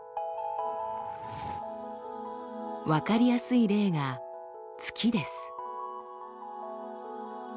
分かりやすい例が月です。